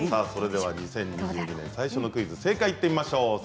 それでは２０２２年最初のクイズ正解いってみましょう。